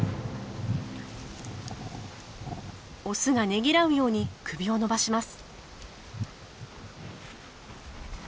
オスがねぎらうように首を伸ばします。